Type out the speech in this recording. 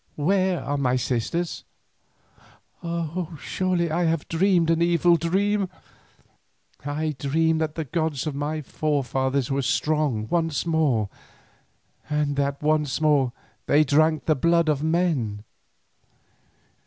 "Where are my sisters? Oh! surely I have dreamed an evil dream. I dreamed that the gods of my forefathers were strong once more, and that once more they drank the blood of men."